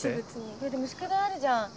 いやでも宿題あるじゃん。